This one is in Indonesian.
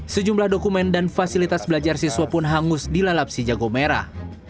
sejumlah dokumen dan fasilitas belajar siswa pun hangus dilalap si jago merah